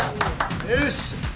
よし。